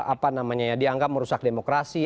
apa namanya ya dianggap merusak demokrasi